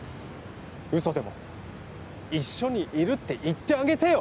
うそでも、一緒にいるって言ってあげてよ。